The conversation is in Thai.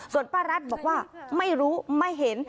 ส่วนป้ารัฐบอกว่าไม่รู้ไม่เห็น